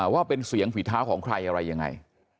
ว่าเป็นเสียงฝีเท้าของใครอะไรยังไง